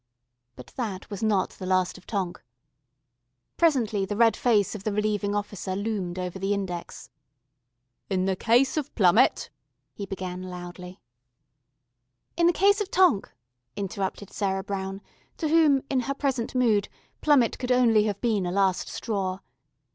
But that was not the last of Tonk. Presently the red face of the Relieving Officer loomed over the index. "In the case of Plummett " he began loudly. "In the case of Tonk " interrupted Sarah Brown, to whom, in her present mood, Plummett could only have been a last straw.